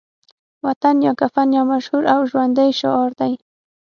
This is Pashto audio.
وطن یا کفن يو مشهور او ژوندی شعار دی